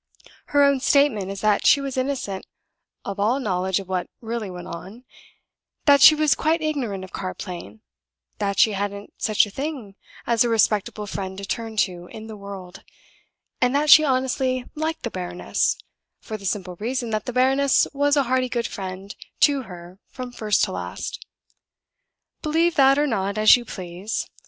Her own statement is that she was innocent of all knowledge of what really went on; that she was quite ignorant of card playing; that she hadn't such a thing as a respectable friend to turn to in the world; and that she honestly liked the baroness, for the simple reason that the baroness was a hearty good friend to her from first to last. Believe that or not, as you please.